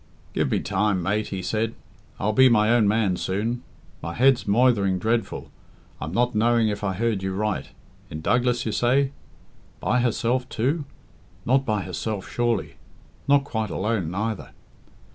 "Give me time, mate," he said. "I'll be my own man soon. My head's moithered dreadful I'm not knowing if I heard you right. In Douglas, you say? By herself, too? Not by herself, surely? Not quite alone neither?